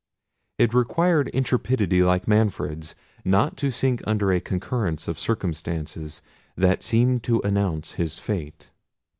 It required intrepidity like Manfred's not to sink under a concurrence of circumstances that seemed to announce his fate.